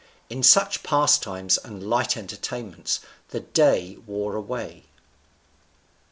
In such pastimes and light entertainments the day wore away.